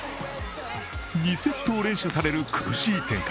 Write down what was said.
２セットを連取される苦しい展開。